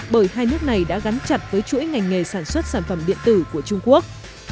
bởi hai nước này đã gắn chặt với chuỗi ngành nghề sản xuất sản phẩm điện tử của trung quốc